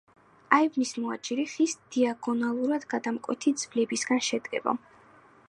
აივნის მოაჯირი ხის დიაგონალურად გადამკვეთი ძვლებისგან შედგება.